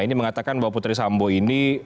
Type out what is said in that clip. ini mengatakan bahwa putri sambo ini